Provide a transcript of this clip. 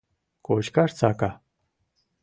Кочкаш сака.